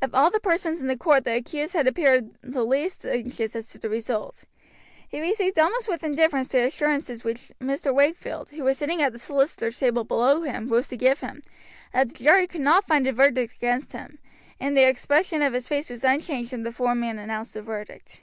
Of all the persons in the court the accused had appeared the least anxious as to the result. He received almost with indifference the assurances which Mr. Wakefield, who was sitting at the solicitor's table below him, rose to give him, that the jury could not find a verdict against him, and the expression of his face was unchanged when the foreman announced the verdict.